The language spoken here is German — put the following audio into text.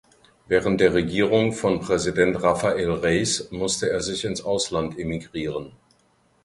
Während der Regierung von Präsident Rafael Reyes musste er sich ins Ausland emigrieren.